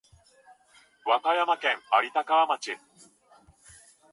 和歌山県有田川町